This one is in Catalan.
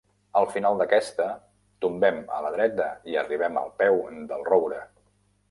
Al final d'aquesta, tombem a la dreta i arribem al peu del roure.